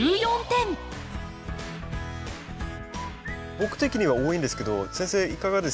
僕的には多いんですけど先生いかがですか？